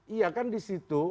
iya kan di situ